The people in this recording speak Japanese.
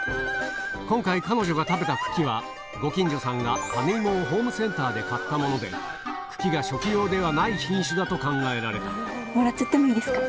今回彼女が食べた茎はご近所さんが種芋をホームセンターで買ったもので茎が食用ではない品種だと考えられたもらっちゃってもいいですか？